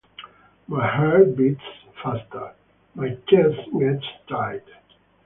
My heart beats faster, my chest gets tight.